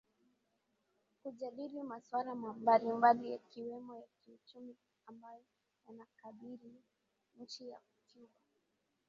kujadili maswala mbalimbali yakiwemo ya kiuchumi ambayo yanakambili nchi ya cuba